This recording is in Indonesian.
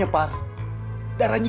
kalian dimana sih